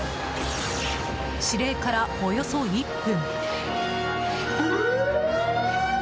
指令からおよそ１分。